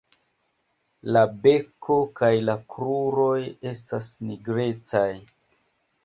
La beko kaj la kruroj estas nigrecaj.